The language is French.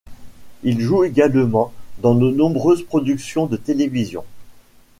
Il joue également dans de nombreuses productions de télévision.